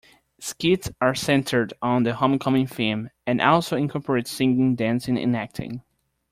Skits are centered on the Homecoming theme, and also incorporate singing, dancing, and acting.